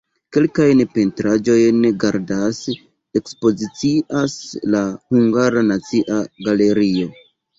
Kelkajn pentraĵojn gardas, ekspozicias la Hungara Nacia Galerio.